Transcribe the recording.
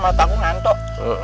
udah mataku ngantuk